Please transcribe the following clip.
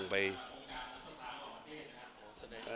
ก็ไม่ได้เปลี่ยนอะไร